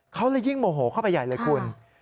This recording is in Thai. เขาเลยยิ่งโมโหเข้าไปใหญ่เลยคุณ